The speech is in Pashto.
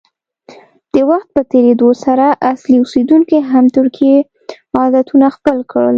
د وخت په تېرېدو سره اصلي اوسیدونکو هم ترکي عادتونه خپل کړل.